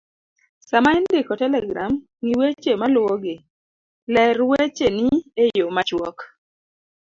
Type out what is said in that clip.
Sama indiko telegram, ng'i weche maluwogi:ler wecheni e yo machuok